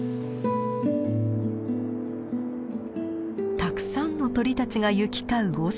たくさんの鳥たちが行き交う雄島。